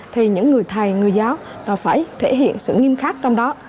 thì những người thầy người giáo phải thể hiện sự nghiêm khắc trong đó